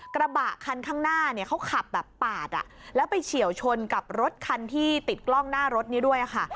กระบะคันข้างหน้าเนี่ยเขาขับแบบปาดแล้วไปเฉียวชนกับรถคันที่ติดกล้องหน้ารถนี้ด้วยค่ะ